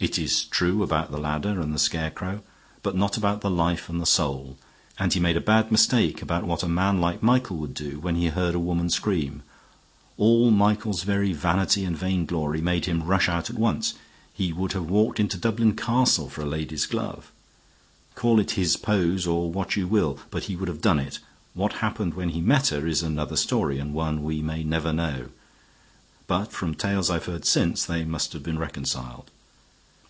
It is true about the ladder and the scarecrow, but not about the life and the soul; and he made a bad mistake about what a man like Michael would do when he heard a woman scream. All Michael's very vanity and vainglory made him rush out at once; he would have walked into Dublin Castle for a lady's glove. Call it his pose or what you will, but he would have done it. What happened when he met her is another story, and one we may never know, but from tales I've heard since, they must have been reconciled.